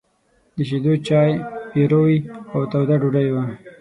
د شيدو چای، پيروی او توده ډوډۍ وه.